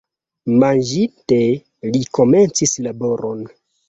Manĝinte, li komencis laboron.